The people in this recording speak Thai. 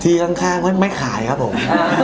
ที่ข้างข้างไม่ขายครับผม